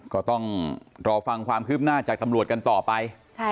ก็ต้องรอฟังความคืบหน้าจากตำรวจกันต่อไป